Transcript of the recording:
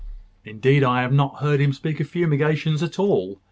"Indeed I have not heard him speak of fumigations at all.